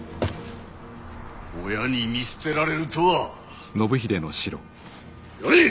親に見捨てられるとは。